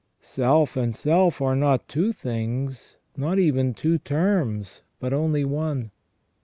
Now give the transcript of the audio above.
Self and self are not two things, not even two terms, but only one.